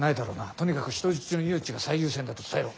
とにかく人質の命が最優先だと伝えろ。